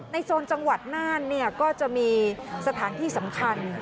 โซนจังหวัดน่านก็จะมีสถานที่สำคัญ